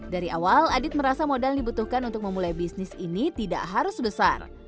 dari awal adit merasa modal dibutuhkan untuk memulai bisnis ini tidak harus besar